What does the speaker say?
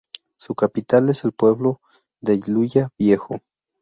Su capital es el pueblo de Luya Viejo.